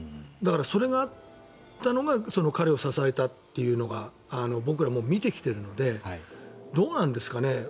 だから、それがあったのが彼を支えたというのが僕らも見てきているのでどうなんですかね。